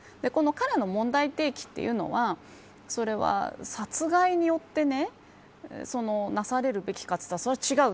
彼の問題提起というのはそれは、殺害によってなされるべきかというとそれは違う。